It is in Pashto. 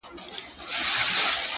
• لكه سپوږمۍ چي ترنده ونيسي،